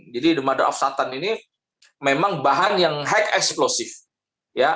jadi the mother of satan ini memang bahan yang high explosive